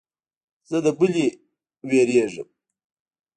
زه د بلې نه وېرېږم.